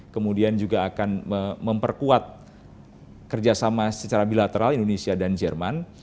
kemudian juga akan memperkuat kerjasama secara bilateral indonesia dan jerman